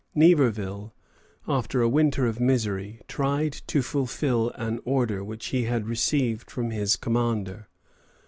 Niverville, after a winter of misery, tried to fulfil an order which he had received from his commander.